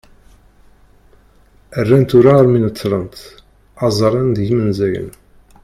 rrant urar mi neṭṭlent "azalen d yimenzayen"